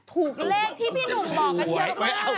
ถูกเลขที่พี่หนุ่มบอกกันเยอะมาก